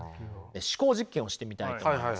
思考実験をしてみたいと思います。